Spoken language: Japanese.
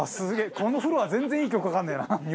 このフロア全然いい曲かかんねえな。